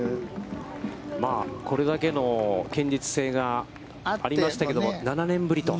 これだけの堅実性がありましたけれども、７年ぶりと。